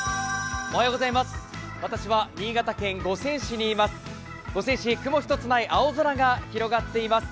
私は新潟県五泉市にいます。